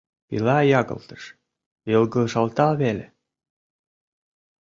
Пила ягылгыш, йылгыжалта веле.